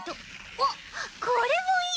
おっこれもいい。